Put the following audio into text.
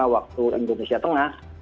waktu indonesia tengah